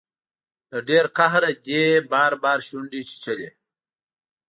له ډیر قهره دې بار بار شونډې چیچلي